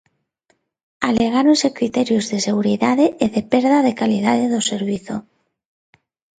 Alegáronse criterios de seguridade e de perda de calidade do servizo.